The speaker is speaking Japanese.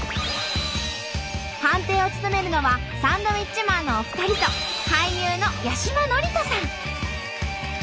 判定を務めるのはサンドウィッチマンのお二人と俳優の八嶋智人さん。